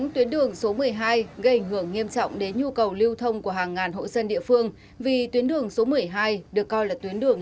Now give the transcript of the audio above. tuyến đường số một mươi hai bị nước sói mòn bất ngờ bị phá vỡ hoàn toàn khu vực công thoát nước và sập đường